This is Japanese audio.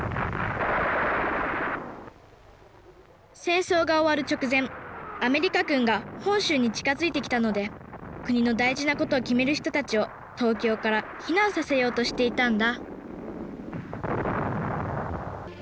戦争が終わる直前アメリカ軍が本州に近づいてきたので国の大事なことを決める人たちを東京から避難させようとしていたんだ